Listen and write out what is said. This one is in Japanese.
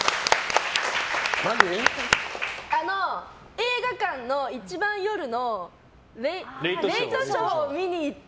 映画館の一番夜のレイトショーを見に行った。